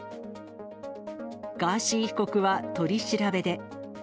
ガーシー被告は取り調べで。